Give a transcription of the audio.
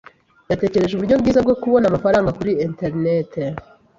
Yatekereje uburyo bwiza bwo kubona amafaranga kuri enterineti.